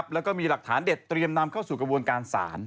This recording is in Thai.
แล้วก็มีหลักฐานเด็ดเตรียมนำเข้าสู่กระบวนการศาล